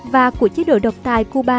và của chế độ độc tài cuba